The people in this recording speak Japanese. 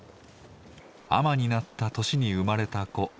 海女になった年に生まれた子。